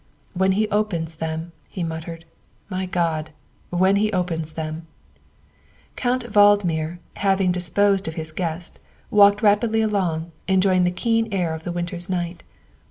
11 When he opens them," he muttered, " my God! when he opens them !'' Count Valdmir, having disposed of his guest, walked rapidly along, enjoying the keen air of the winter's night.